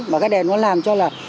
mà cái đèn nó làm cho là